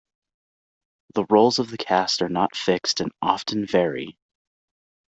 The roles of the cast are not fixed and often vary.